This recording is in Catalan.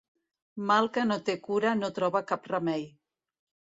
Mal que no té cura no troba cap remei.